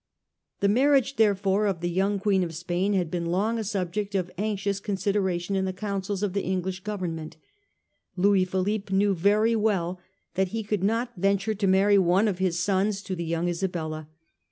The marriage, therefore, of the young Queen of Spain had been long a subject of anxious consideration in the councils of the English Govern ment. Louis Philippe knew very well that he could not venture to marry one of his sons to the young Isabella.